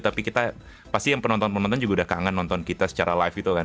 tapi kita pasti yang penonton penonton juga udah kangen nonton kita secara live itu kan